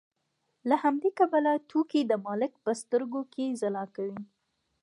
له همدې کبله توکي د مالک په سترګو کې ځلا کوي